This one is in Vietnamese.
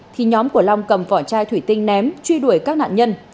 thì nhóm của long cầm vỏ chai thủy tinh ném truy đuổi các nạn nhân